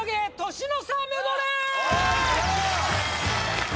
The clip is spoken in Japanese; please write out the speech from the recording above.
年の差メドレー